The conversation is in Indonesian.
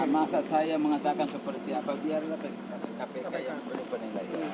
masa saya mengatakan seperti apa biarlah kpk yang berpengaruh